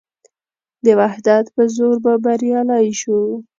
د وحدت په زور به بریالي شو.